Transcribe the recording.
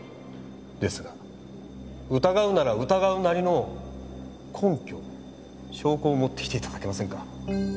ですが疑うなら疑うなりの根拠証拠を持ってきて頂けませんか？